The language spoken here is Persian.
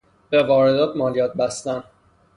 به واردات مالیات بستن